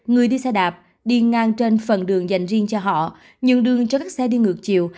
người đi xe đạp đi ngang trên phần đường dành riêng cho họ nhường đường cho các xe đi ngược chiều